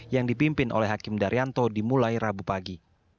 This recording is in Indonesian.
yang dipimpin oleh hakim daryanto dimulai rabu pagi